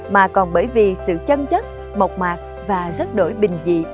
mà còn bởi vì sự chân chất mộc mạc và rất đổi bình dị